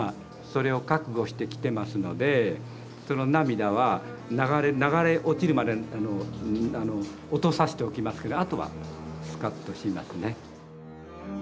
それを覚悟して来てますのでその涙は流れ落ちるまで落とさしておきますけどあとはスカッとしますね。